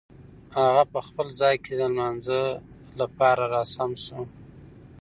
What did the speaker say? هغه په خپل ځای کې د لمانځه لپاره را سم شو.